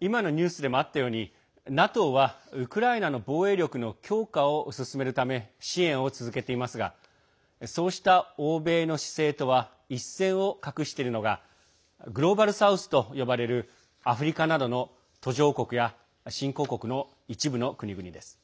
今のニュースでもあったように、ＮＡＴＯはウクライナの防衛力の強化を進めるため支援を続けていますがそうした欧米の姿勢とは一線を画しているのがグローバル・サウスと呼ばれるアフリカなどの途上国や新興国の一部の国々です。